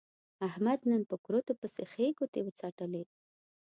احمد نن په کورتو پسې ښې ګوتې و څټلې.